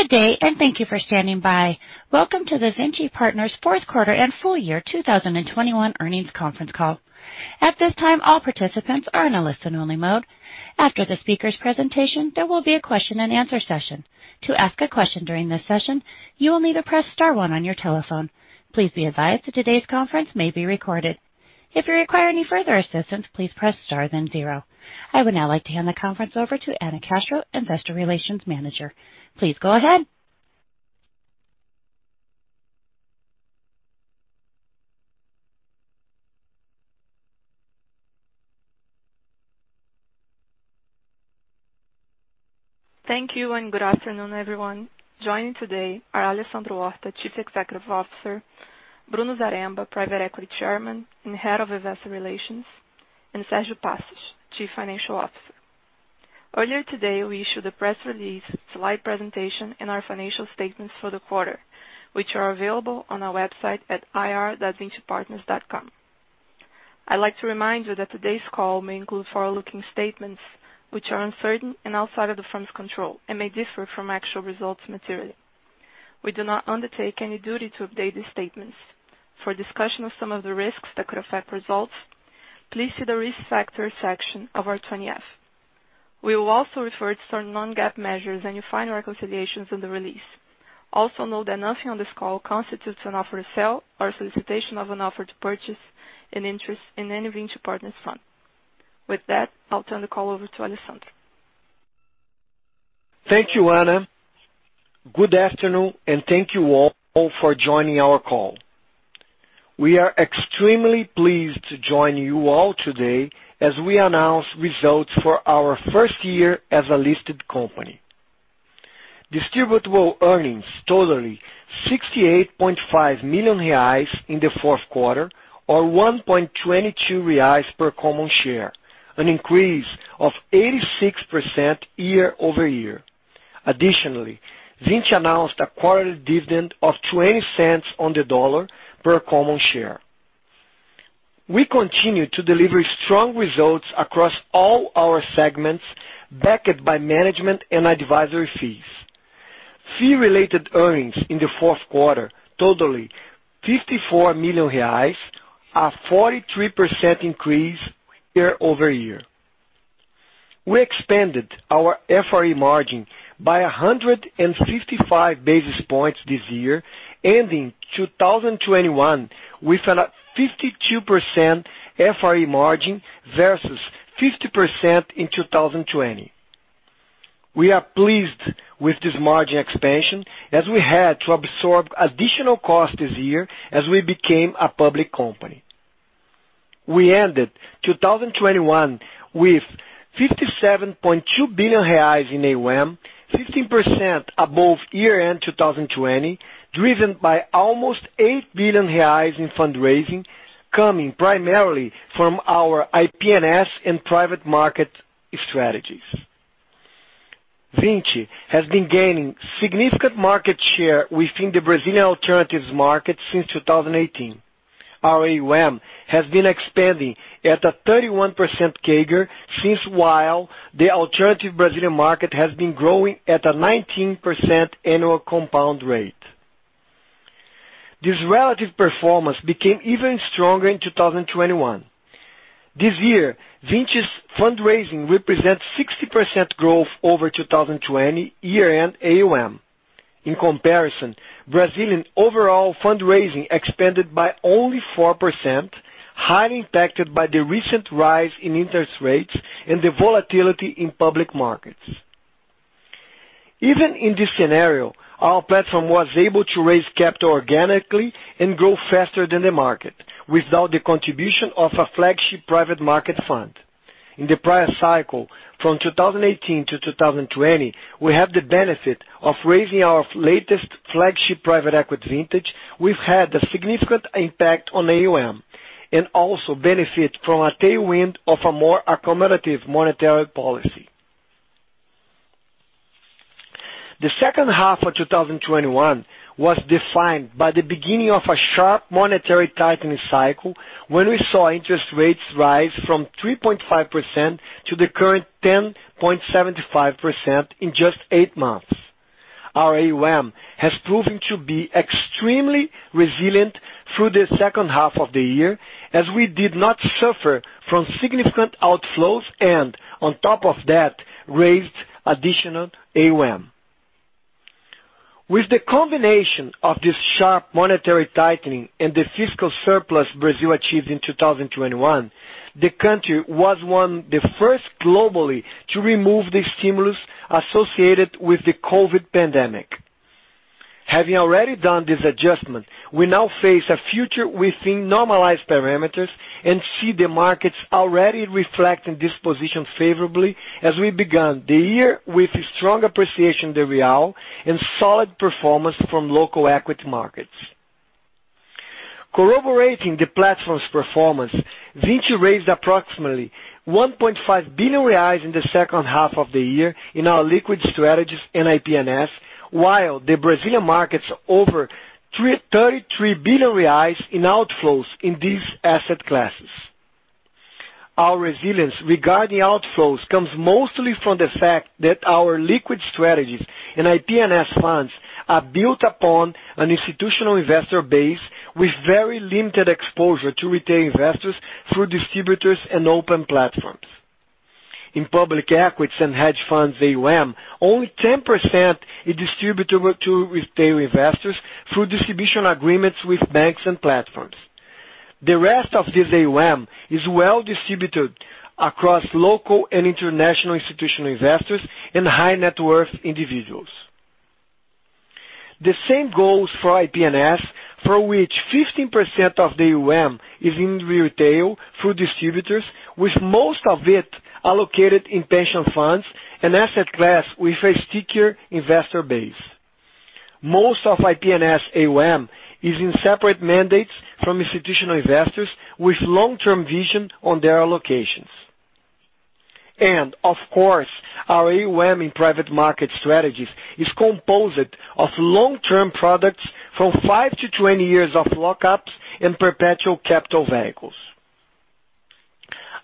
Good day, and thank you for standing by. Welcome to the Vinci Partners fourth quarter and full year 2021 earnings conference call. At this time, all participants are in a listen-only mode. After the speaker's presentation, there will be a question and answer session. To ask a question during this session, you will need to press star one on your telephone. Please be advised that today's conference may be recorded. If you require any further assistance, please press star then zero. I would now like to hand the conference over to Anna Castro, Investor Relations Manager. Please go ahead. Thank you and good afternoon, everyone. Joining today are Alessandro Horta, Chief Executive Officer, Bruno Zaremba, Private Equity Chairman and Head of Investor Relations, and Sérgio Passos, Chief Financial Officer. Earlier today, we issued a press release, Slide presentation and our Financial Statements for the quarter, which are available on our website at ir.vincipartners.com. I'd like to remind you that today's call may include forward-looking statements which are uncertain and outside of the firm's control and may differ from actual results materially. We do not undertake any duty to update these statements. For discussion of some of the risks that could affect results, please see the Risk Factors section of our 20-F. We will also refer to certain non-GAAP measures and you'll find reconciliations in the release. Also note that nothing on this call constitutes an offer to sell or solicitation of an offer to purchase an interest in any Vinci Partners fund. With that, I'll turn the call over to Alessandro. Thank you, Anna. Good afternoon and thank you all for joining our call. We are extremely pleased to join you all today as we announce results for our first year as a listed company. Distributable earnings totaling 68.5 million reais in the fourth quarter, or 1.22 reais per common share, an increase of 86% year-over-year. Additionally, Vinci announced a quarterly dividend of $0.20 per common share. We continue to deliver strong results across all our segments, backed by management and advisory fees. Fee-related earnings in the fourth quarter totaled 54 million reais, a 43% increase year-over-year. We expanded our FRE margin by 155 basis points this year, ending 2021 with a 52% FRE margin versus 50% in 2020. We are pleased with this margin expansion as we had to absorb additional cost this year as we became a public company. We ended 2021 with 57.2 billion reais in AUM, 15% above year-end 2020, driven by almost 8 billion reais in fundraising coming primarily from our IP&S and private market strategies. Vinci has been gaining significant market share within the Brazilian alternatives market since 2018. Our AUM has been expanding at a 31% CAGR since, while the alternative Brazilian market has been growing at a 19% annual compound rate. This relative performance became even stronger in 2021. This year, Vinci's fundraising represents 60% growth over 2020 year-end AUM. In comparison, Brazilian overall fundraising expanded by only 4%, highly impacted by the recent rise in interest rates and the volatility in public markets. Even in this scenario, our platform was able to raise capital organically and grow faster than the market without the contribution of a Flagship Private Market Fund. In the prior cycle from 2018 - 2020, we have the benefit of raising our latest Flagship Private Equity Vintage which had a significant impact on AUM and also benefit from a tailwind of a more accommodative monetary policy. The second 1/2 of 2021 was defined by the beginning of a sharp monetary tightening cycle when we saw interest rates rise from 3.5% to the current 10.75% in just eight months. Our AUM has proven to be extremely resilient through the second 1/2 of the year as we did not suffer from significant outflows and on top of that raised additional AUM. With the combination of this sharp monetary tightening and the fiscal surplus Brazil achieved in 2021, the country was one of the first globally to remove the stimulus associated with the COVID pandemic. Having already done this adjustment, we now face a future within normalized parameters and see the markets already reflecting this position favorably as we began the year with a strong appreciation in the real and solid performance from local equity markets. Corroborating the platform's performance, Vinci raised approximately 1.5 billion reais in the second 1/2 of the year in our liquid strategies and IP&S, while the Brazilian markets over 33 billion reais in outflows in these asset classes. Our resilience regarding outflows comes mostly from the fact that our liquid strategies and IP&S funds are built upon an institutional investor base with very limited exposure to retail investors through distributors and open platforms. In public equities and hedge funds AUM, only 10% is distributable to retail investors through distribution agreements with banks and platforms. The rest of this AUM is well distributed across local and international institutional investors and high net worth individuals. The same goes for IP&S, for which 15% of the AUM is in retail through distributors, with most of it allocated in pension funds and asset class with a stickier investor base. Most of IP&S AUM is in separate mandates from institutional investors with long-term vision on their allocations. Of course, our AUM in private market strategies is composed of long-term products from 5-20 years of lockups and perpetual capital vehicles.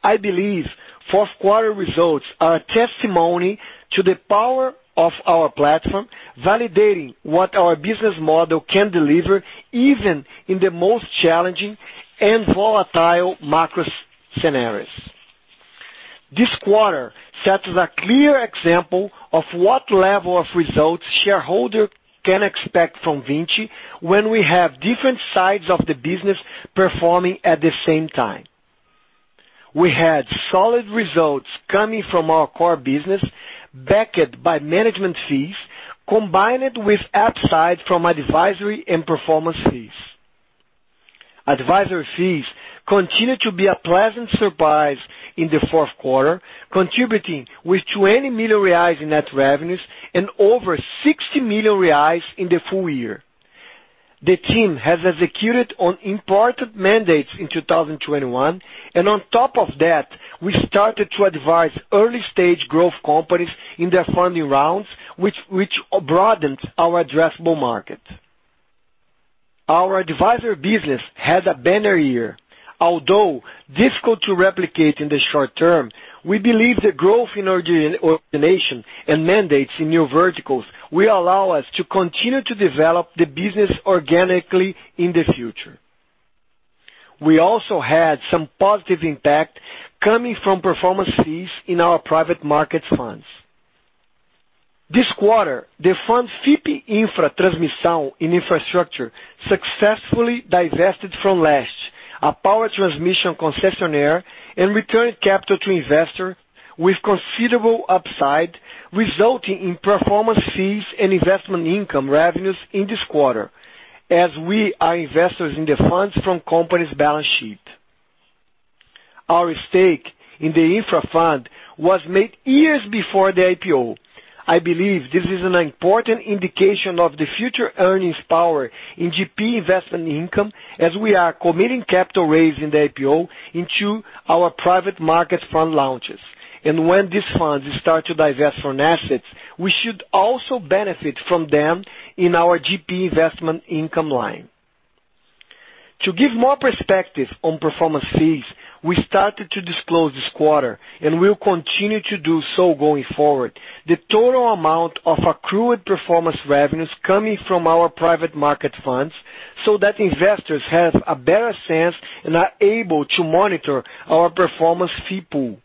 I believe fourth quarter results are a testimony to the power of our platform, validating what our business model can deliver even in the most challenging and volatile macro scenarios. This quarter sets a clear example of what level of results shareholder can expect from Vinci when we have different sides of the business performing at the same time. We had solid results coming from our core business, backed by management fees, combined with upside from advisory and performance fees. Advisory fees continued to be a pleasant surprise in the fourth quarter, contributing 20 million reais in net revenues and over 60 million reais in the full year. The team has executed on important mandates in 2021, and on top of that, we started to advise early-stage growth companies in their funding rounds, which broadened our addressable market. Our advisory business had a banner year. Although difficult to replicate in the short term, we believe the growth in our origination and mandates in new verticals will allow us to continue to develop the business organically in the future. We also had some positive impact coming from performance fees in our private markets funds. This quarter, the fund FIP Infra Transmissão in infrastructure successfully divested from Leste, a power transmission concessionaire, and returned capital to investors with considerable upside, resulting in performance fees and investment income revenues in this quarter as we are investors in the funds from company's balance sheet. Our stake in the Infra fund was made years before the IPO. I believe this is an important indication of the future earnings power in GP investment income as we are committing capital raised in the IPO into our private market fund launches. When these funds start to divest from assets, we should also benefit from them in our GP investment income line. To give more perspective on performance fees, we started to disclose this quarter, and we will continue to do so going forward, the total amount of accrued performance revenues coming from our private market funds so that investors have a better sense and are able to monitor our performance fee pool.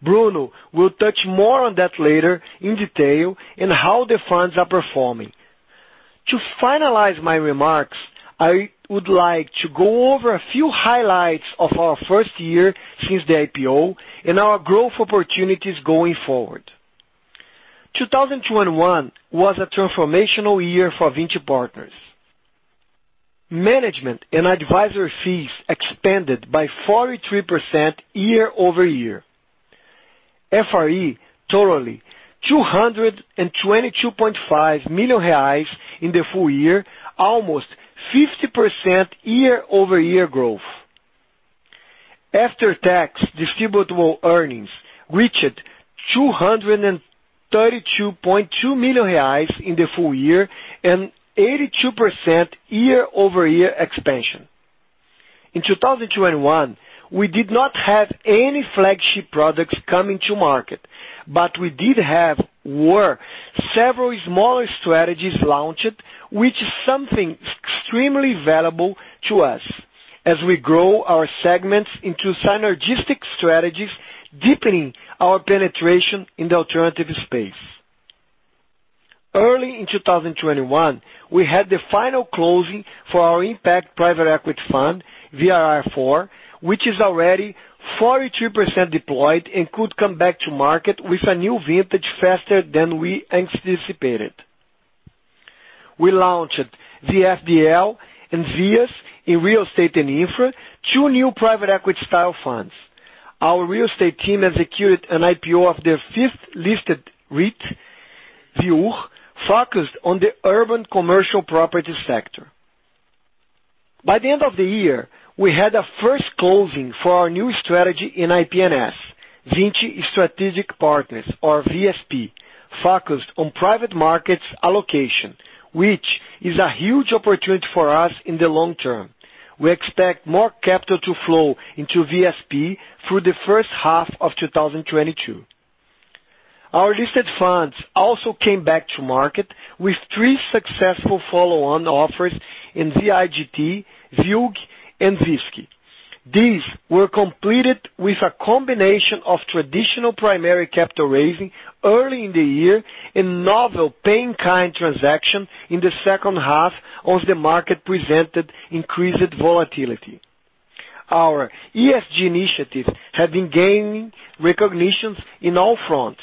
Bruno will touch more on that later in detail and how the funds are performing. To finalize my remarks, I would like to go over a few highlights of our first year since the IPO and our growth opportunities going forward. 2021 was a transformational year for Vinci Partners. Management and advisory fees expanded by 43% year-over-year. FRE totaling 222.5 million reais in the full year, almost 50% year-over-year growth. After-tax distributable earnings reached 232.2 million reais in the full year and 82% year-over-year expansion. In 2021, we did not have any flagship products coming to market, but we did have several smaller strategies launched, which is something extremely valuable to us as we grow our segments into synergistic strategies, deepening our penetration in the alternative space. Early in 2021, we had the final closing for our impact private equity fund, VIR IV, which is already 42% deployed and could come back to market with a new vintage faster than we anticipated. We launched VFDL and VIAS in real estate and infra, two new private equity style funds. Our real estate team executed an IPO of their fifth-listed REIT, VIUR, focused on the urban commercial property sector. By the end of the year, we had a first closing for our new strategy in IP&S. Vinci Strategic Partners, or VSP, focused on private markets allocation, which is a huge opportunity for us in the long term. We expect more capital to flow into VSP through the first half of 2022. Our listed funds also came back to market with three successful follow-on offers in VIGT, VIUR, and VISC. These were completed with a combination of traditional primary capital raising early in the year and novel pay-in-kind transaction in the second 1/2 as the market presented increased volatility. Our ESG initiative has been gaining recognitions on all fronts.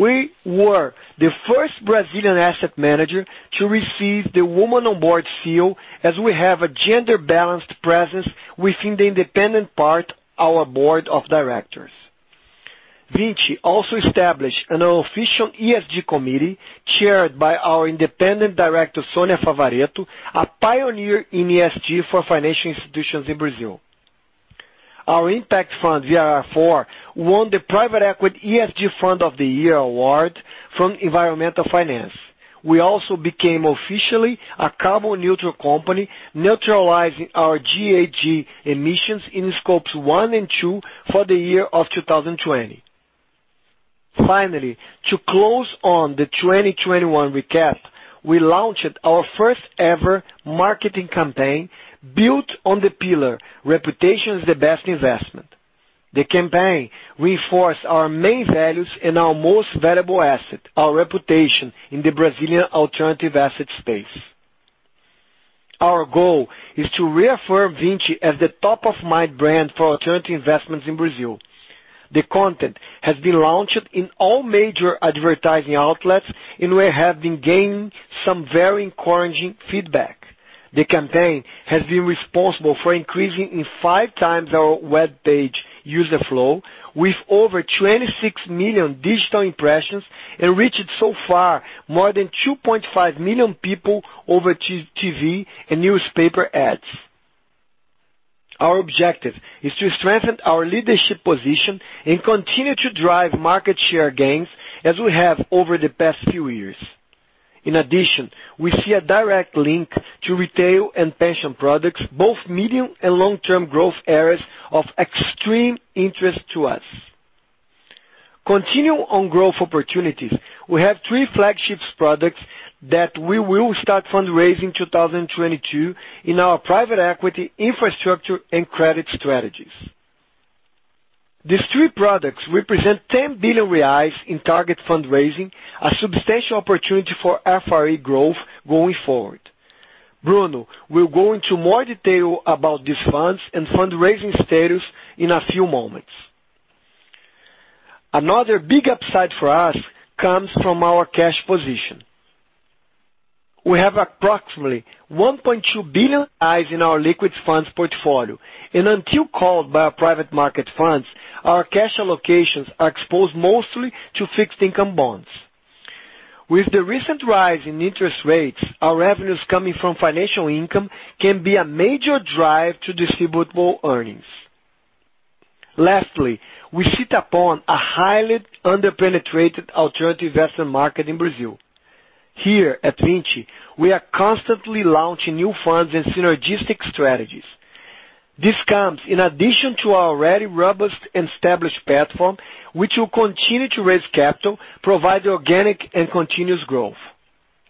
We were the first Brazilian asset manager to receive the Women on Board seal, as we have a gender-balanced presence within the independent part of our board of directors. Vinci also established an official ESG committee chaired by our independent director, Sonia Favaretto, a pioneer in ESG for financial institutions in Brazil. Our impact fund, VIR IV, won the Private Equity ESG Fund of the Year award from Environmental Finance. We also became officially a carbon neutral company, neutralizing our GHG emissions in Scopes 1 and 2 for the year of 2020. Finally, to close on the 2021 recap, we launched our first ever marketing campaign built on the pillar, Reputation is the best investment. The campaign reinforced our main values and our most valuable asset, our reputation in the Brazilian alternative asset space. Our goal is to reaffirm Vinci as the top of mind brand for alternative investments in Brazil. The content has been launched in all major advertising outlets, and we have been gaining some very encouraging feedback. The campaign has been responsible for increasing in 5x our web page user flow with over 26 million digital impressions, and reached so far more than 2.5 million people over TV and newspaper ads. Our objective is to strengthen our leadership position and continue to drive market share gains as we have over the past few years. In addition, we see a direct link to retail and pension products, both medium and long-term growth areas of extreme interest to us. Continuing on growth opportunities, we have three flagship products that we will start fundraising in 2022 in our Private Equity Infrastructure and Credit Strategies. These three products represent 10 billion reais in target fundraising, a substantial opportunity for FRE growth going forward. Bruno will go into more detail about these funds and fundraising status in a few moments. Another big upside for us comes from our cash position. We have approximately 1.2 billion in our liquid funds portfolio, and until called by our private market funds, our cash allocations are exposed mostly to fixed income bonds. With the recent rise in interest rates, our revenues coming from financial income can be a major drive to distributable earnings. Lastly, we sit upon a highly under-penetrated alternative investment market in Brazil. Here at Vinci, we are constantly launching new funds and synergistic strategies. This comes in addition to our already robust established platform, which will continue to raise capital, provide organic and continuous growth.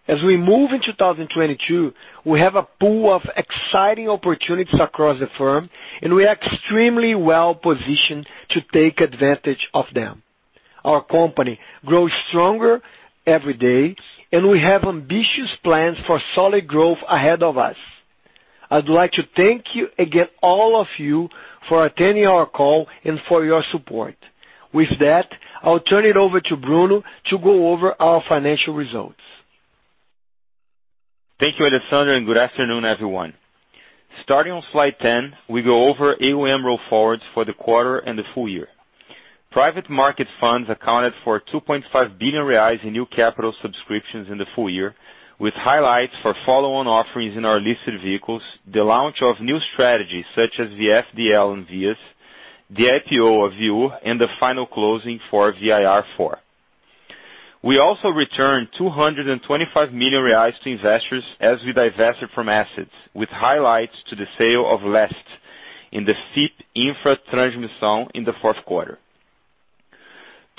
As we move in 2022, we have a pool of exciting opportunities across the firm, and we are extremely well-positioned to take advantage of them. Our company grows stronger every day, and we have ambitious plans for solid growth ahead of us. I'd like to thank you again, all of you, for attending our call and for your support. With that, I'll turn it over to Bruno to go over our financial results. Thank you, Alessandro, and good afternoon, everyone. Starting on Slide 10, we go over AUM roll forwards for the quarter and the full year. Private market funds accounted for 2.5 billion reais in new capital subscriptions in the full year, with highlights for follow-on offerings in our listed vehicles, the launch of new strategies such as VFDL and VIAS, the IPO of VIUR, and the final closing for VIR IV. We also returned 225 million reais to investors as we divested from assets, with highlights to the sale of Leste in the FIP Infra Transmissão in the fourth quarter.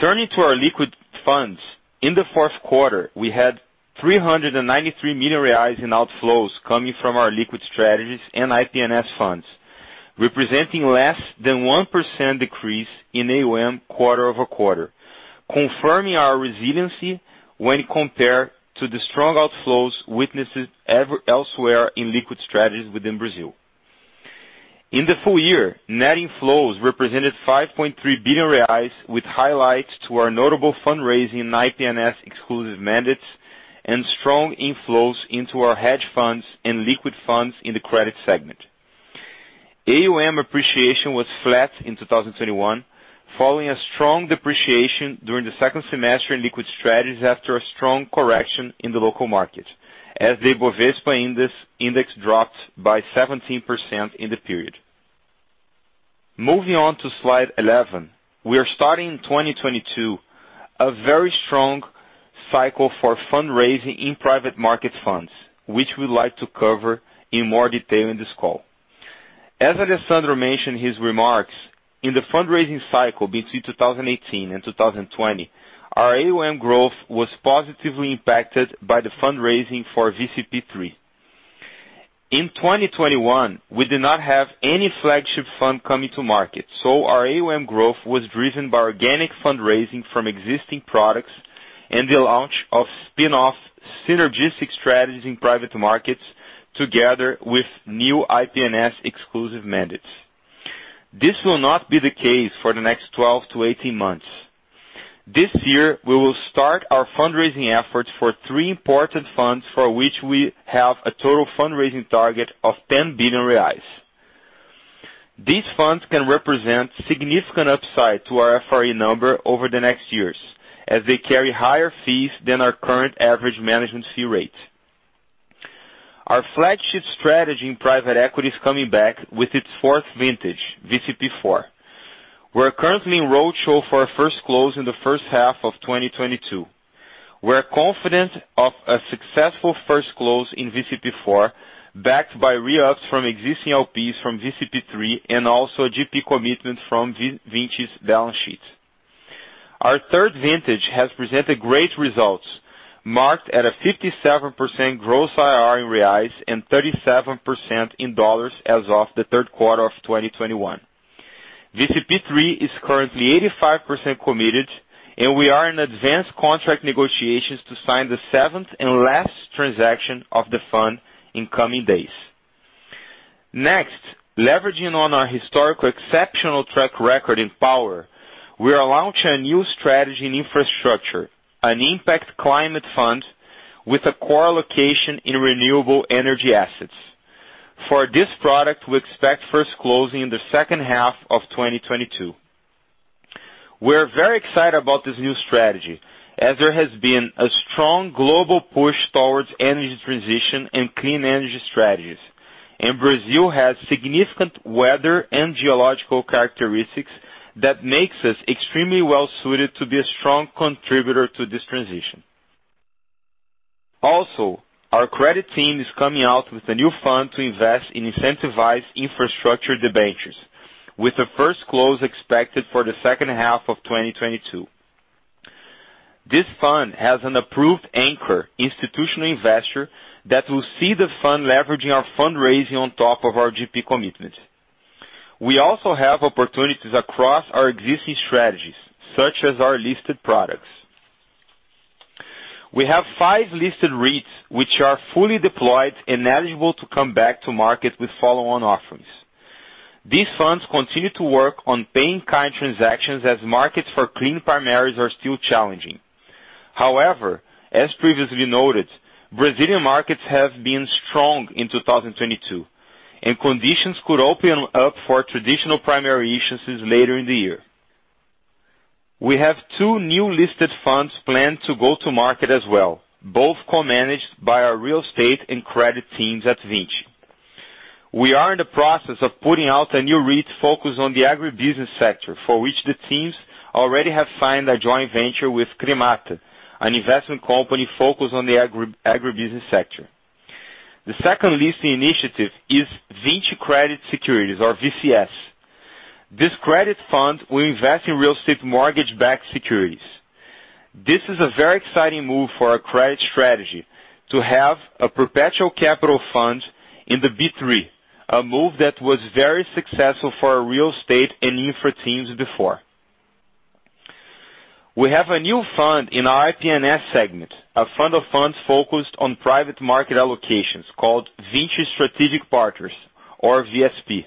Turning to our liquid funds. In the fourth quarter, we had 393 million reais in outflows coming from our liquid strategies and IP&S funds, representing less than 1% decrease in AUM quarter-over-quarter, confirming our resiliency when compared to the strong outflows witnessed elsewhere in liquid strategies within Brazil. In the full year, net inflows represented 5.3 billion reais, with highlights to our notable fundraising in IP&S exclusive mandates and strong inflows into our hedge funds and liquid funds in the credit segment. AUM appreciation was flat in 2021, following a strong depreciation during the second semester in liquid strategies after a strong correction in the local market as the Bovespa Index dropped by 17% in the period. Moving on to Slide 11. We are starting 2022 a very strong cycle for fundraising in private market funds, which we'd like to cover in more detail in this call. As Alessandro mentioned in his remarks, in the fundraising cycle between 2018 and 2020, our AUM growth was positively impacted by the fundraising for VCP III. In 2021, we did not have any flagship fund coming to market, so our AUM growth was driven by organic fundraising from existing products and the launch of spin-off synergistic strategies in private markets together with new IP&S exclusive mandates. This will not be the case for the next 12-18 months. This year, we will start our fundraising efforts for three important funds for which we have a total fundraising target of 10 billion reais. These funds can represent significant upside to our FRE number over the next years as they carry higher fees than our current average management fee rate. Our flagship strategy in private equity is coming back with its fourth vintage, VCP IV. We're currently in roadshow for our first close in the first half of 2022. We're confident of a successful first close in VCP IV, backed by re-ups from existing LPs from VCP III and also GP commitment from Vinci's balance sheet. Our third vintage has presented great results, marked at a 57% gross IRR in reais and 37% in dollars as of the third quarter of 2021. VCP III is currently 85% committed, and we are in advanced contract negotiations to sign the 7th and last transaction of the fund in coming days. Next, leveraging on our historical exceptional track record in power, we are launching a new strategy in infrastructure, an impact climate fund with a core allocation in renewable energy assets. For this product we expect first closing in the second 1/2 of 2022. We are very excited about this new strategy as there has been a strong global push towards energy transition and clean energy strategies, and Brazil has significant weather and geological characteristics that makes us extremely well suited to be a strong contributor to this transition. Also, our credit team is coming out with a new fund to invest in incentivized infrastructure debentures, with the first close expected for the second 1/2 of 2022. This fund has an approved anchor institutional investor that will see the fund leveraging our fundraising on top of our GP commitment. We also have opportunities across our existing strategies, such as our listed products. We have five listed REITs which are fully deployed and eligible to come back to market with follow-on offerings. These funds continue to work on pay-in-kind transactions as markets for clean primaries are still challenging. However, as previously noted, Brazilian markets have been strong in 2022, and conditions could open up for traditional primary issuances later in the year. We have two new listed funds planned to go to market as well, both co-managed by our real estate and credit teams at Vinci. We are in the process of putting out a new REIT focused on the agribusiness sector, for which the teams already have signed a joint venture with Chrimata, an investment company focused on the agribusiness sector. The second listing initiative is Vinci Credit Securities or VCS. This credit fund will invest in real estate mortgage-backed securities. This is a very exciting move for our credit strategy to have a perpetual capital fund in the B3, a move that was very successful for our real estate and infra teams before. We have a new fund in our IP&S segment, a fund of funds focused on private market allocations called Vinci Strategic Partners or VSP.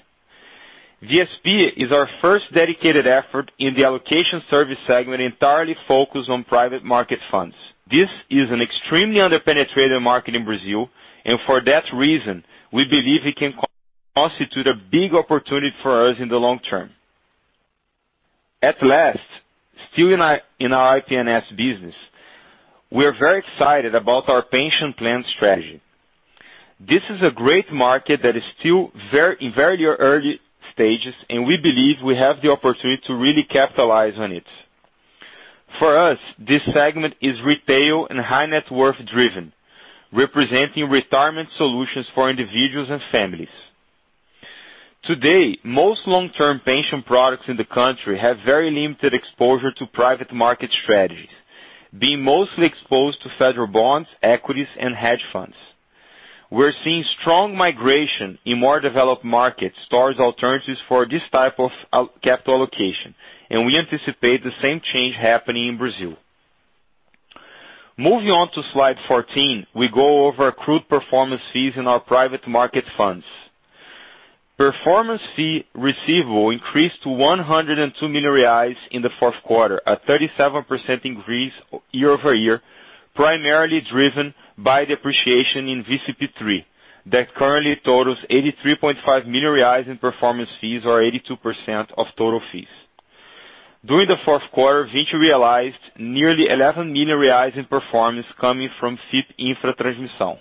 VSP is our first dedicated effort in the allocation service segment entirely focused on private market funds. This is an extremely under-penetrated market in Brazil and for that reason we believe it can constitute a big opportunity for us in the long term. At last, still in our IP&S business, we are very excited about our pension plan strategy. This is a great market that is still very early stages, and we believe we have the opportunity to really capitalize on it. For us, this segment is retail and high net worth driven, representing retirement solutions for individuals and families. Today, most long-term pension products in the country have very limited exposure to private market strategies, being mostly exposed to federal bonds, equities, and hedge funds. We're seeing strong migration in more developed markets towards alternatives for this type of alternative capital allocation, and we anticipate the same change happening in Brazil. Moving on to Slide 14, we go over accrued performance fees in our private market funds. Performance fee receivable increased to 102 million reais in the fourth quarter, a 37% increase year-over-year, primarily driven by the appreciation in VCP III that currently totals 83.5 million reais in performance fees or 82% of total fees. During the fourth quarter, Vinci realized nearly 11 million reais in performance coming from FIP Infra Transmissão.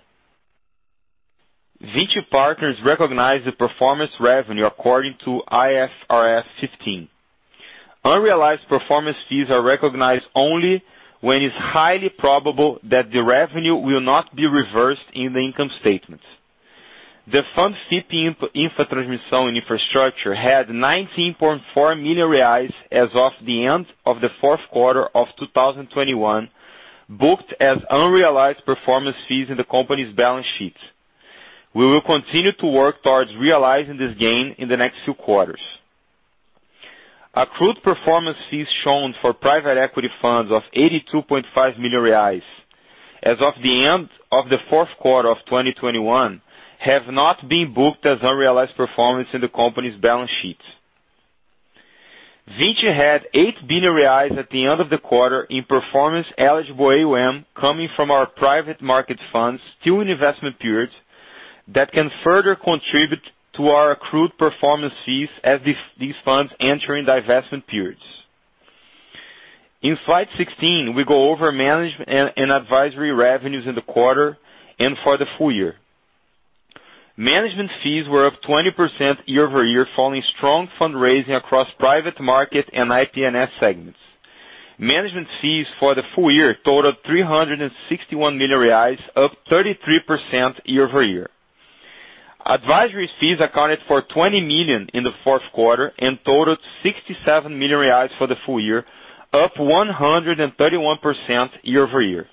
Vinci Partners recognized the performance revenue according to IFRS 15. Unrealized performance fees are recognized only when it's highly probable that the revenue will not be reversed in the income statement. The fund FIP Infra Transmissão had 19.4 million reais as of the end of the fourth quarter of 2021, booked as unrealized performance fees in the company's balance sheet. We will continue to work towards realizing this gain in the next few quarters. Accrued performance fees shown for private equity funds of 82.5 million reais as of the end of the fourth quarter of 2021 have not been booked as unrealized performance in the company's balance sheet. Vinci had 8 billion reais at the end of the quarter in performance eligible AUM coming from our private market funds still in investment period that can further contribute to our accrued performance fees as these funds enter in divestment periods. In Slide 16, we go over management and advisory revenues in the quarter and for the full year. Management fees were up 20% year-over-year, following strong fundraising across private market and IP&S segments. Management fees for the full year totaled 361 million reais, up 33% year-over-year. Advisory fees accounted for 20 million in the fourth quarter and totaled 67 million reais for the full year, up 131% year-over-year.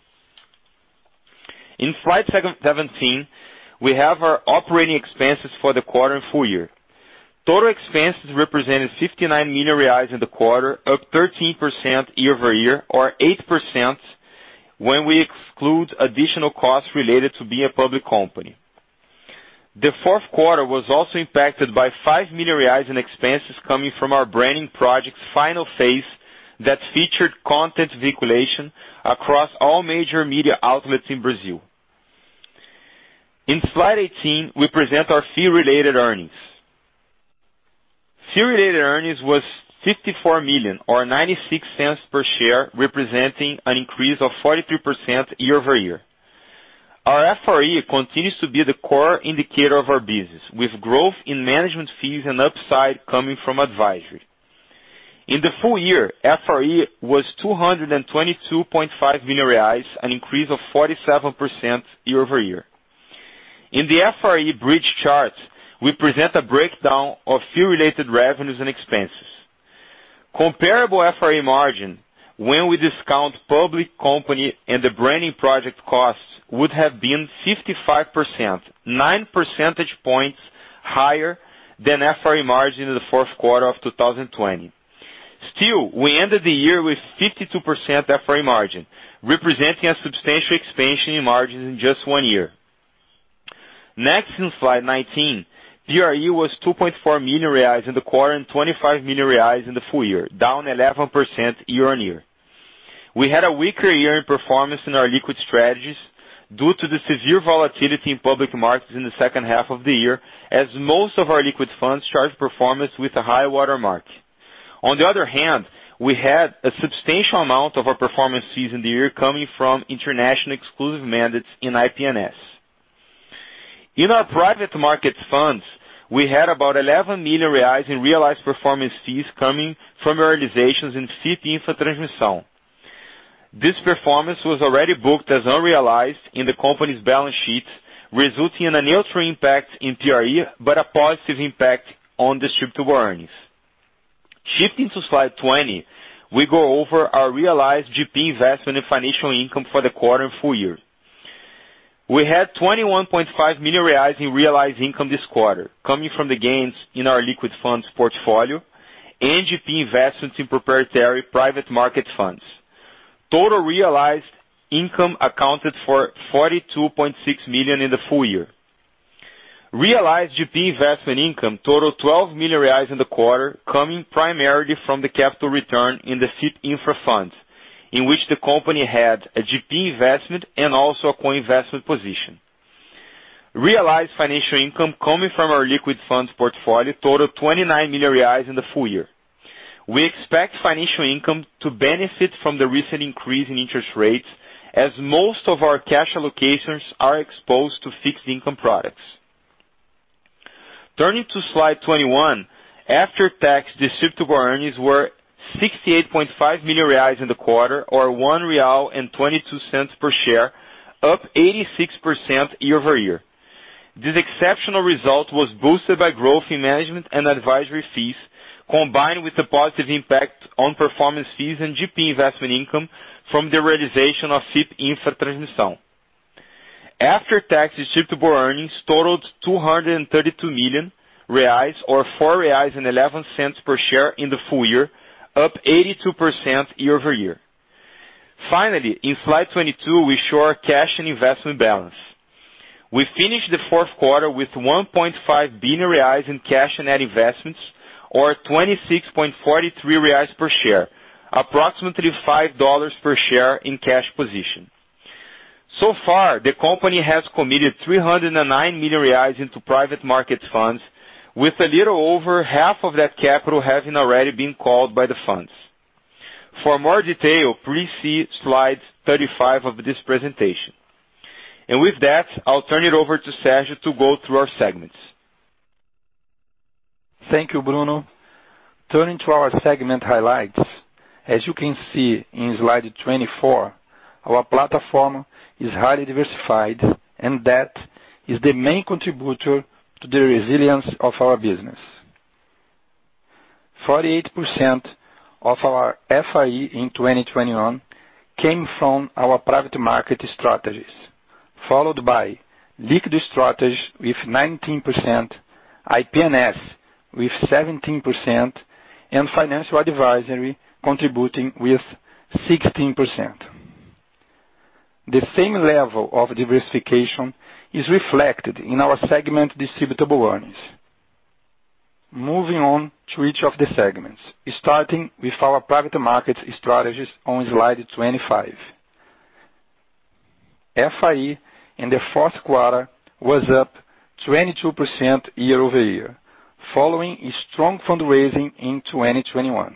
In Slide 17, we have our operating expenses for the quarter and full year. Total expenses represented 59 million reais in the quarter, up 13% year-over-year, or 8% when we exclude additional costs related to being a public company. The fourth quarter was also impacted by 5 million reais in expenses coming from our branding project's final phase that featured content vehiculation across all major media outlets in Brazil. In Slide 18, we present our fee-related earnings. Fee-related earnings was 54 million or $0.96 per share, representing an increase of 43% year-over-year. Our FRE continues to be the core indicator of our business, with growth in management fees and upside coming from advisory. In the full year, FRE was 222.5 million reais, an increase of 47% year-over-year. In the FRE bridge chart, we present a breakdown of fee-related revenues and expenses. Comparable FRE margin when we discount public company and the branding project costs would have been 55%, 9% higher than FRE margin in the fourth quarter of 2020. Still, we ended the year with 52% FRE margin, representing a substantial expansion in margins in just one year. Next in Slide 19, PRE was 2.4 million reais in the quarter and 25 million reais in the full year, down 11% year-over-year. We had a weaker year in performance in our liquid strategies due to the severe volatility in public markets in the second 1/2 of the year, as most of our liquid funds charge performance with a high water mark. On the other hand, we had a substantial amount of our performance fees in the year coming from international exclusive mandates in IP&S. In our private markets funds, we had about 11 million reais in realized performance fees coming from realizations in FIP Infra Transmissão. This performance was already booked as unrealized in the company's balance sheet, resulting in a neutral impact in PRE, but a positive impact on distributable earnings. Shifting to Slide 20, we go over our realized GP investment and financial income for the quarter and full year. We had 21.5 million reais in realized income this quarter, coming from the gains in our liquid funds portfolio and GP investments in proprietary private market funds. Total realized income accounted for 42.6 million in the full year. Realized GP investment income totaled 12 million reais in the quarter, coming primarily from the capital return in the FIP Infra funds, in which the company had a GP investment and also a co-investment position. Realized financial income coming from our liquid funds portfolio totaled 29 million reais in the full year. We expect financial income to benefit from the recent increase in interest rates, as most of our cash allocations are exposed to fixed income products. Turning to Slide 21, after-tax distributable earnings were 68.5 million reais in the quarter, or 1.22 real per share, up 86% year-over-year. This exceptional result was boosted by growth in management and advisory fees, combined with the positive impact on performance fees and GP investment income from the realization of FIP Infra Transmissão. After-tax distributable earnings totaled 232 million reais, or 4.11 reais per share in the full year, up 82% year-over-year. Finally, in Slide 22, we show our cash and investment balance. We finished the fourth quarter with 1.5 billion reais in cash and net investments or 26.43 reais per share, approximately $5 per share in cash position. So far, the company has committed 309 million reais into private markets funds, with a little over 1/2 of that capital having already been called by the funds. For more detail, please see Slide 35 of this presentation. With that, I'll turn it over to Sérgio to go through our segments. Thank you, Bruno. Turning to our segment highlights, as you can see in Slide 24, our platform is highly diversified, and that is the main contributor to the resilience of our business. 48% of our FRE in 2021 came from our private market strategies, followed by liquid strategies with 19%, IP&S with 17%, and financial advisory contributing with 16%. The same level of diversification is reflected in our segment distributable earnings. Moving on to each of the segments, starting with our private markets strategies on Slide 25. FRE in the fourth quarter was up 22% year-over-year, following a strong fundraising in 2021.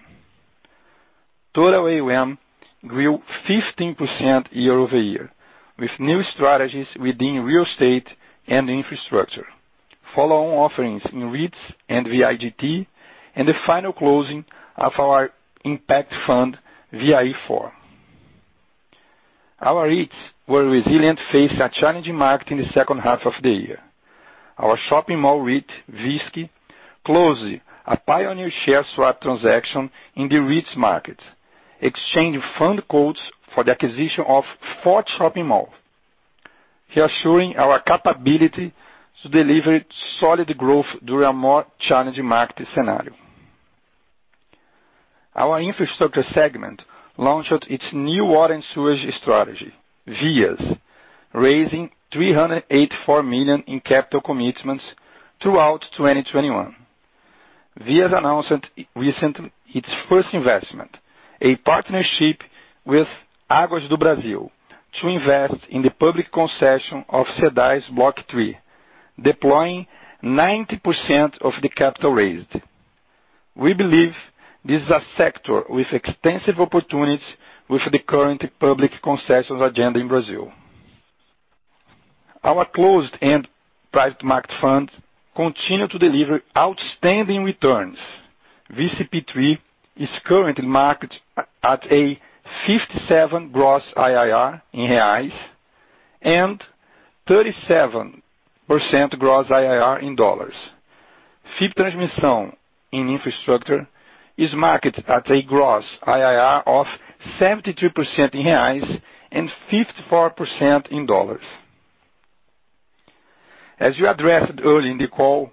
Total AUM grew 15% year-over-year, with new strategies within real estate and infrastructure. Follow-on offerings in REITs and VIGT and the final closing of our impact fund, VIR IV. Our REITs were resilient facing a challenging market in the second 1/2 of the year. Our shopping mall REIT, VISC, closed a pioneer share swap transaction in the REITs market, exchanging fund quotes for the acquisition of four shopping malls, reassuring our capability to deliver solid growth during a more challenging market scenario. Our infrastructure segment launched its new water and sewage strategy, VIAS, raising 384 million in capital commitments throughout 2021. VIAS announced recently its first investment, a partnership with Águas do Brasil to invest in the public concession of Cedae's Block III, deploying 90% of the capital raised. We believe this is a sector with extensive opportunities with the current public concessions agenda in Brazil. Our closed-end private market funds continue to deliver outstanding returns. VCP III is currently marked at a 57 gross IRR in reais and 37% gross IRR in dollars. FIP Infra Transmissão in infrastructure is marked at a gross IRR of 72% in reais and 54% in dollars. As you addressed earlier in the call,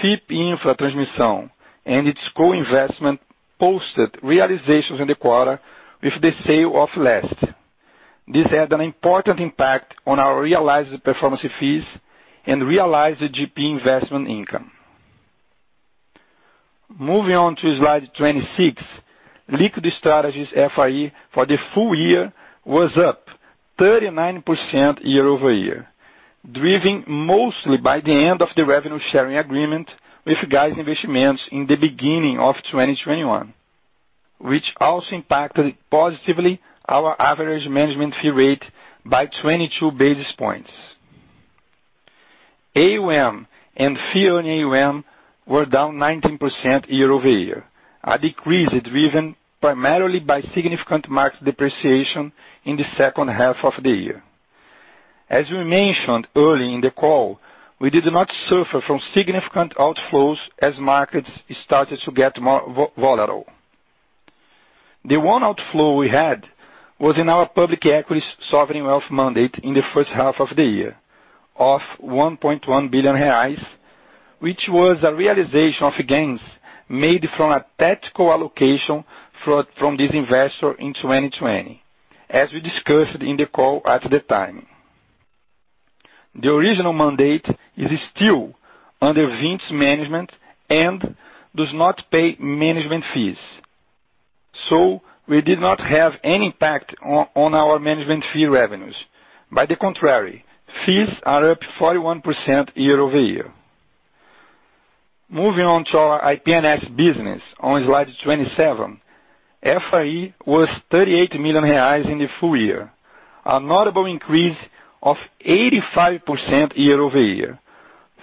FIP Infra Transmissão and its co-investment posted realizations in the quarter with the sale of Leste. This had an important impact on our realized performance fees and realized GP investment income. Moving on to Slide 26, liquid strategies FRE for the full year was up 39% year-over-year, driven mostly by the end of the revenue sharing agreement with Guepardo Investimentos in the beginning of 2021, which also impacted positively our average management fee rate by 22 basis points. AUM and fee on AUM were down 19% year-over-year, a decrease driven primarily by significant market depreciation in the second 1/2 of the year. As we mentioned earlier in the call, we did not suffer from significant outflows as markets started to get more volatile. The one outflow we had was in our public equity sovereign wealth mandate in the first half of the year of 1.1 billion reais, which was a realization of gains made from a tactical allocation from this investor in 2020, as we discussed in the call at the time. The original mandate is still under Vinci's management and does not pay management fees. We did not have any impact on our management fee revenues. On the contrary, fees are up 41% year-over-year. Moving on to our IP&S business on Slide 27. FRE was 38 million reais in the full year. A notable increase of 85% year-over-year,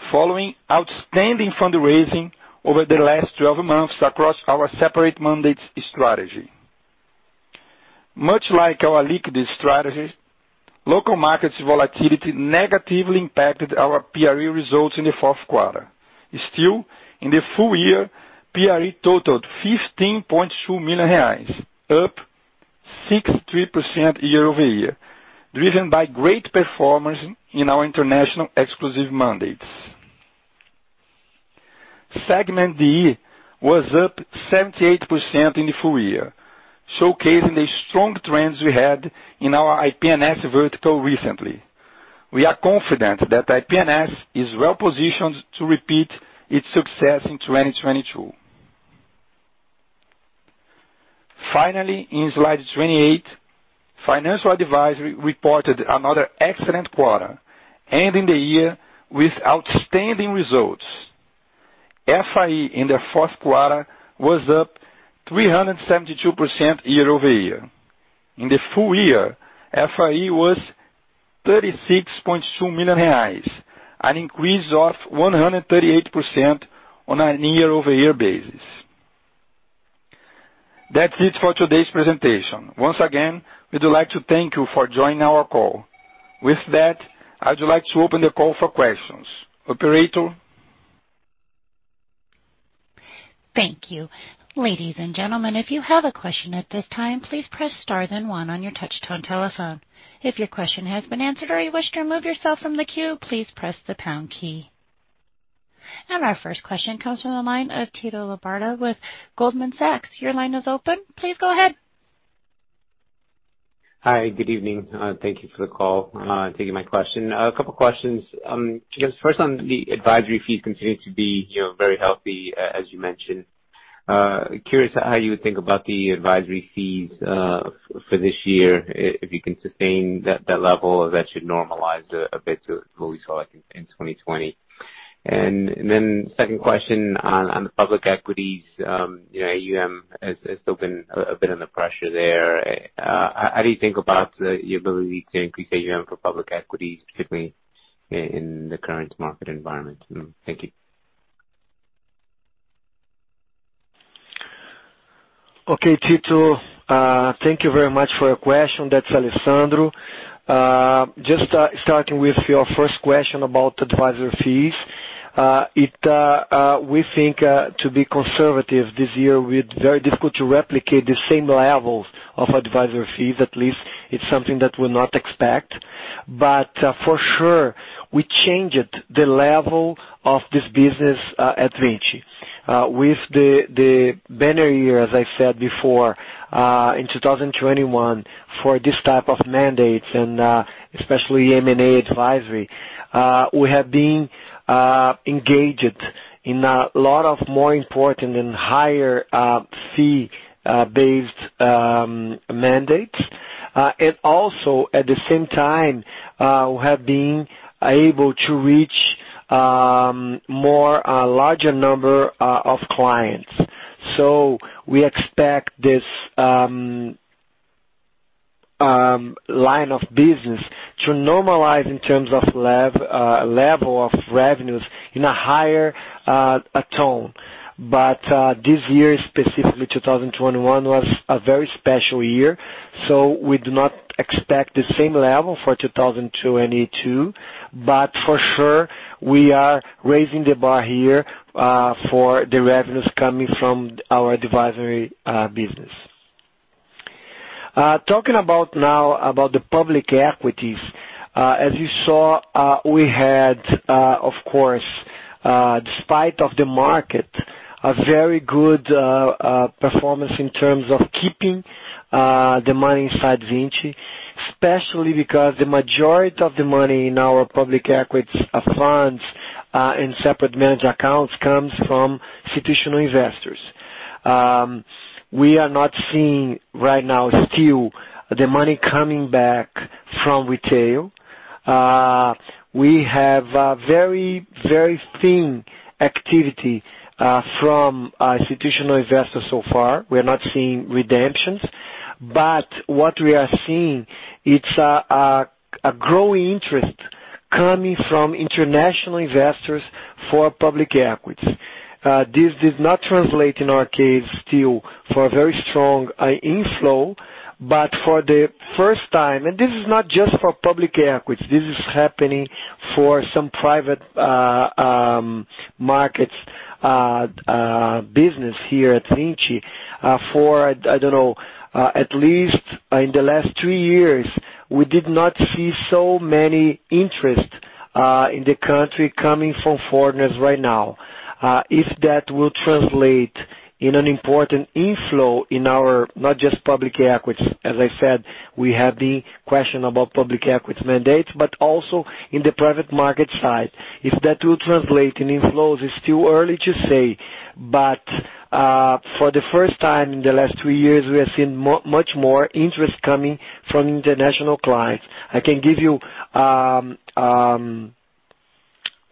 following outstanding fundraising over the last 12 months across our separate mandates strategy. Much like our liquidity strategy, local markets volatility negatively impacted our PRE results in the fourth quarter. Still, in the full year, PRE totaled 15.2 million reais, up 63% year-over-year, driven by great performance in our international exclusive mandates. Segment DE was up 78% in the full year, showcasing the strong trends we had in our IP&S vertical recently. We are confident that IP&S is well-positioned to repeat its success in 2022. Finally, in Slide 28, financial advisory reported another excellent quarter, ending the year with outstanding results. FRE in the fourth quarter was up 372% year-over-year. In the full year, FRE was 36.2 million reais, an increase of 138% on a year-over-year basis. That's it for today's presentation. Once again, we'd like to thank you for joining our call. With that, I'd like to open the call for questions. Operator. Thank you. Ladies and gentlemen, if you have a question at this time, please press Star then one on your touchtone telephone. If your question has been answered or you wish to remove yourself from the queue, please press the pound key. Our first question comes from the line of Tito Labarta with Goldman Sachs. Your line is open. Please go ahead. Hi. Good evening. Thank you for the call and taking my question. A couple questions. Just first on the advisory fees continue to be, you know, very healthy, as you mentioned. Curious how you would think about the advisory fees for this year, if you can sustain that level or if that should normalize a bit to what we saw, like, in 2020. Then second question on the public equities, you know, AUM has still been a bit under pressure there. How do you think about your ability to increase AUM for public equity, particularly in the current market environment? Thank you. Okay, Tito, thank you very much for your question. That's Alessandro. Just starting with your first question about advisory fees. We think to be conservative this year, it'll be very difficult to replicate the same levels of advisory fees. At least it's something that we'll not expect. For sure, we changed the level of this business at Vinci. With the banner year, as I said before, in 2021 for this type of mandates and especially M&A advisory, we have been engaged in a lot more important and higher fee based mandates. And also at the same time, we have been able to reach more, a larger number of clients. We expect this line of business to normalize in terms of level of revenues in a higher tone. This year, specifically 2021, was a very special year, so we do not expect the same level for 2022. For sure, we are raising the bar here for the revenues coming from our advisory business. Talking now about the public equities. As you saw, we had, of course, despite the market, a very good performance in terms of keeping the money inside Vinci, especially because the majority of the money in our public equities funds, in separate managed accounts comes from institutional investors. We are not seeing right now still the money coming back from retail. We have a very thin activity from our institutional investors so far. We're not seeing redemptions, but what we are seeing is a growing interest coming from international investors for public equities. This does not translate in our case still for a very strong inflow. For the first time, and this is not just for public equities, this is happening for some private markets business here at Vinci, for, I don't know, at least in the last three years, we did not see so many interest in the country coming from foreigners right now. If that will translate in an important inflow in our not just public equities, as I said, we have the question about public equities mandate, but also in the private market side. If that will translate in inflows, it's too early to say. For the first time in the last two years, we have seen much more interest coming from international clients. I can give you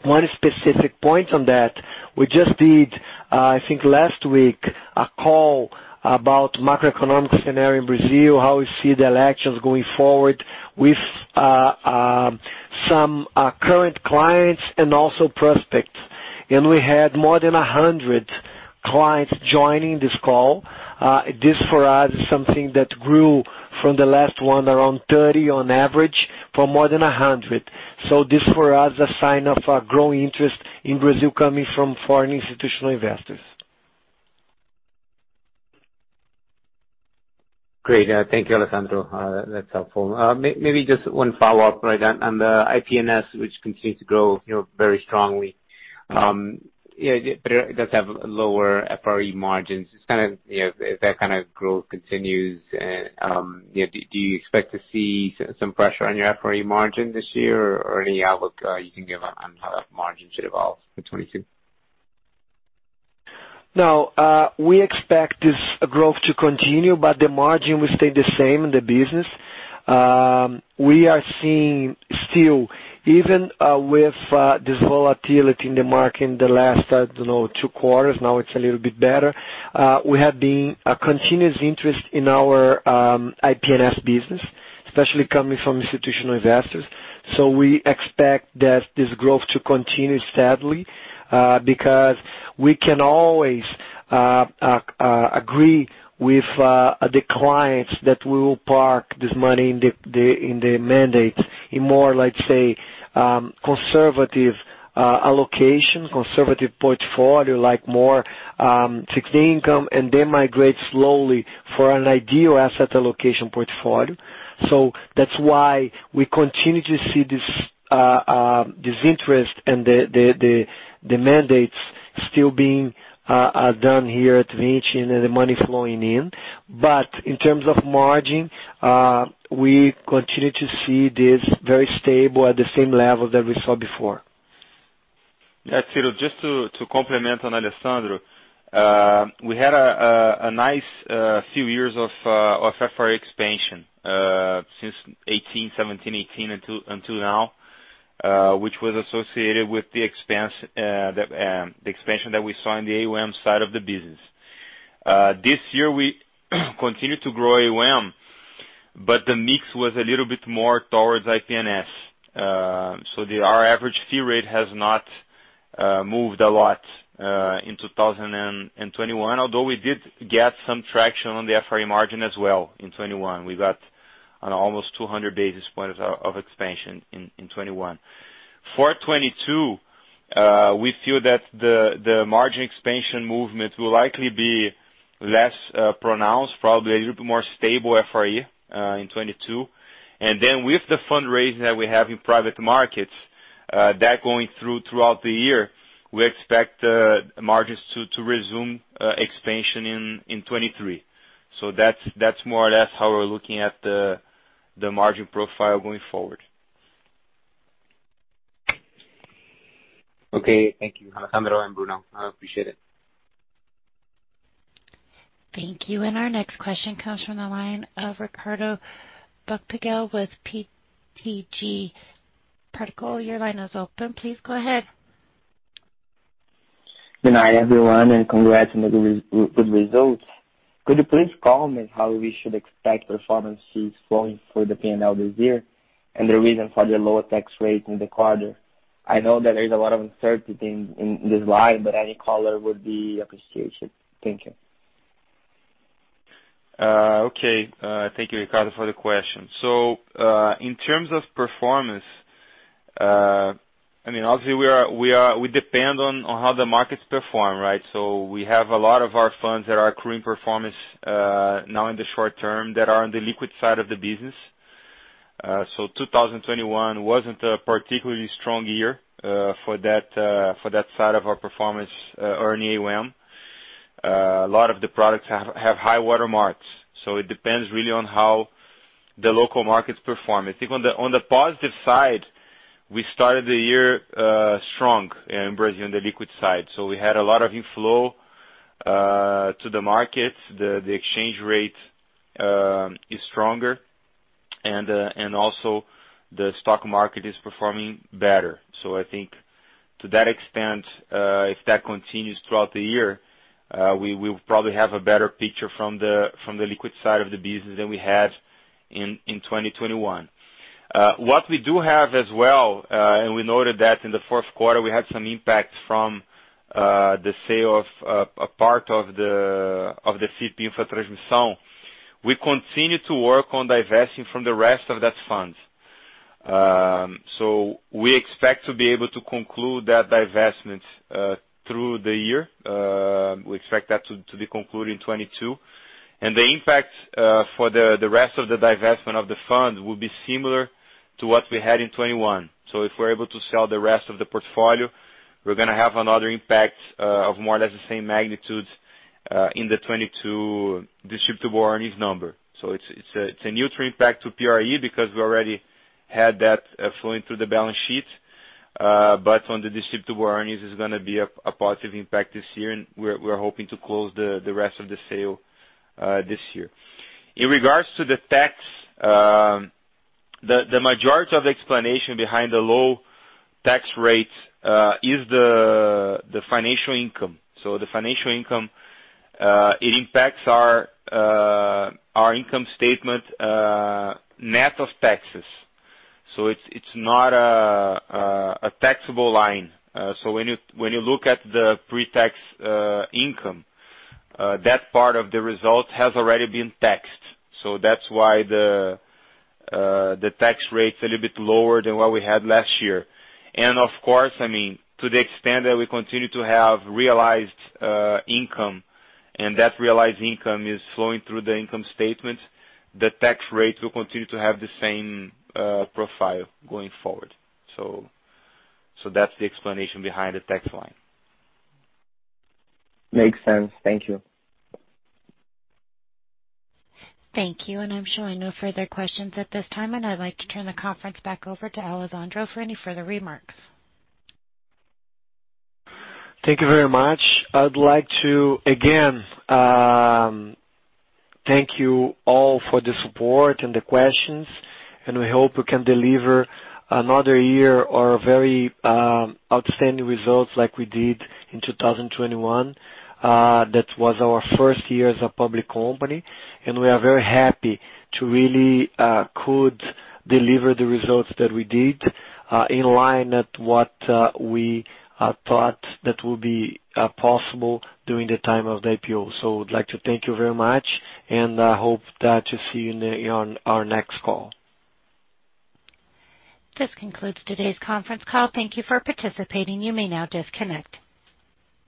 one specific point on that. We just did, I think last week, a call about macroeconomic scenario in Brazil, how we see the elections going forward with some current clients and also prospects. We had more than 100 clients joining this call. This for us is something that grew from the last one, around 30 on average, for more than 100. This for us, a sign of a growing interest in Brazil coming from foreign institutional investors. Great. Thank you, Alessandro. That's helpful. Maybe just one follow-up right on the IP&S, which continues to grow, you know, very strongly. Yeah, but it does have lower FRE margins. Just kind of, you know, if that kind of growth continues, you know, do you expect to see some pressure on your FRE margin this year or any outlook you can give on how that margin should evolve for 2022? No, we expect this growth to continue, but the margin will stay the same in the business. We are still seeing, even with this volatility in the market in the last, I don't know, two quarters. Now it's a little bit better. We have seen continuous interest in our IP&S business, especially coming from institutional investors. We expect this growth to continue steadily, because we can always agree with the clients that we will park this money in the mandates in more like, say, conservative allocation, conservative portfolio, like more fixed income, and then migrate slowly to an ideal asset allocation portfolio. That's why we continue to see this interest and the mandates still being done here at Vinci and the money flowing in. In terms of margin, we continue to see this very stable at the same level that we saw before. Tito, just to complement on Alessandro. We had a nice few years of FRE expansion since 2017, 2018 until now, which was associated with the expansion that we saw in the AUM side of the business. This year we continued to grow AUM, but the mix was a little bit more towards IP&S. So our average fee rate has not moved a lot in 2021, although we did get some traction on the FRE margin as well in 2021. We got an almost 200 basis points of expansion in 2021. For 2022, we feel that the margin expansion movement will likely be less pronounced, probably a little bit more stable FRE in 2022. With the fundraising that we have in private markets, that's going through throughout the year, we expect the margins to resume expansion in 2023. That's more or less how we're looking at the margin profile going forward. Okay. Thank you, Alessandro and Bruno. I appreciate it. Thank you. Our next question comes from the line of Ricardo Buchpiguel with BTG. Ricardo, your line is open. Please go ahead. Good night everyone, and congrats on the good results. Could you please comment how we should expect performance fees flowing for the PNL this year and the reason for the lower tax rate in the quarter? I know that there is a lot of uncertainty in this line, but any color would be appreciated. Thank you. Thank you, Ricardo, for the question. In terms of performance, I mean, obviously we depend on how the markets perform, right? We have a lot of our funds that are accruing performance now in the short term that are on the liquid side of the business. 2021 wasn't a particularly strong year for that side of our performance or in AUM. A lot of the products have high water marks, so it depends really on how the local markets perform. I think on the positive side, we started the year strong in Brazil on the liquid side. We had a lot of inflow to the market. The exchange rate is stronger and also the stock market is performing better. I think to that extent, if that continues throughout the year, we will probably have a better picture from the liquid side of the business than we had in 2021. What we do have as well, and we noted that in the fourth quarter, we had some impact from the sale of a part of the FIP Infra Transmissão. We continue to work on divesting from the rest of that fund. We expect to be able to conclude that divestment through the year. We expect that to be concluded in 2022. The impact for the rest of the divestment of the fund will be similar to what we had in 2021. If we're able to sell the rest of the portfolio, we're gonna have another impact of more or less the same magnitude in the 2022 distributable earnings number. It's a neutral impact to PRE because we already had that flowing through the balance sheet. On the distributable earnings, it's gonna be a positive impact this year, and we're hoping to close the rest of the sale this year. In regard to the tax, the majority of the explanation behind the low tax rates is the financial income. The financial income it impacts our income statement net of taxes. It's not a taxable line. When you look at the pre-tax income, that part of the result has already been taxed. That's why the tax rate's a little bit lower than what we had last year. Of course, I mean, to the extent that we continue to have realized income and that realized income is flowing through the income statement, the tax rate will continue to have the same profile going forward. That's the explanation behind the tax line. Makes sense. Thank you. Thank you. I'm showing no further questions at this time, and I'd like to turn the conference back over to Alessandro for any further remarks. Thank you very much. I'd like to again thank you all for the support and the questions, and we hope we can deliver another year or very outstanding results like we did in 2021. That was our first year as a public company, and we are very happy to really could deliver the results that we did in line at what we thought that would be possible during the time of the IPO. I'd like to thank you very much and I hope to see you on our next call. This concludes today's conference call. Thank you for participating. You may now disconnect.